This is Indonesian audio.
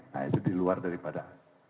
nah itu di luar daripada